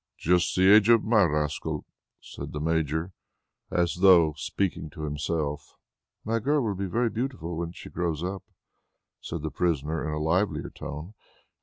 "Just the age of my rascal," said the Major, as though speaking to himself. "My girl will be very beautiful when she grows up," said the prisoner in a livelier tone.